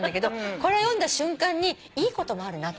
これ読んだ瞬間にいいこともあるなと。